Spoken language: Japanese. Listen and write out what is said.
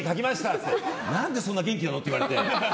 って言って何でそんな元気なの？って言われて。